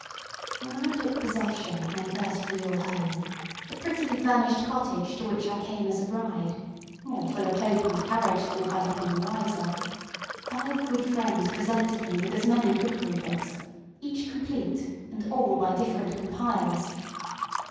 ŌĆÖŌĆØ When I took possession of my first real home, the prettily furnished cottage to which I came as a bride, more full of hope and courage than if I had been wiser, five good friends presented me with as many cookery books, each complete, and all by different compilers.